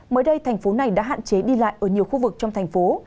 mới đây thành phố này đã hạn chế đi lại ở nhiều khu vực trong thành phố